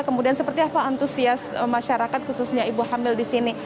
kemudian seperti apa antusias masyarakat khususnya ibu hamil di sini